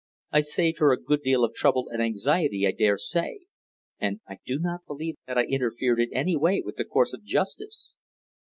I saved her a good deal of trouble and anxiety I dare say, and I do not believe that I interfered in any way with the course of justice."